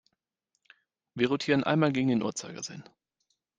Wir rotieren einmal gegen den Uhrzeigersinn.